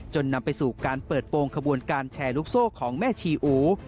นำไปสู่การเปิดโปรงขบวนการแชร์ลูกโซ่ของแม่ชีอู